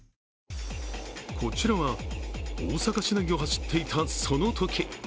こちらは、大阪市内を走っていたそのとき。